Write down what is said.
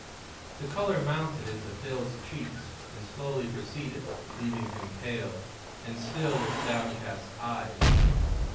The color mounted into Phil's cheeks and slowly receded, leaving him pale, and still with downcast eyes.